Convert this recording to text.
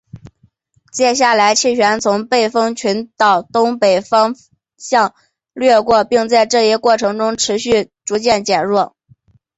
接下来气旋从背风群岛东北方向掠过并在这一过程中继续逐渐减弱。